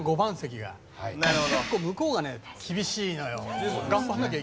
結構向こうがね厳しいのよ。